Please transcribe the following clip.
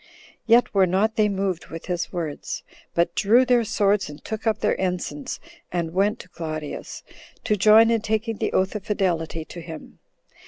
Yet were not they moved with his words, but drew their swords, and took up their ensigns, and went to Claudius, to join in taking the oath of fidelity to him.